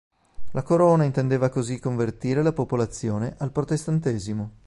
La Corona intendeva così convertire la popolazione al protestantesimo.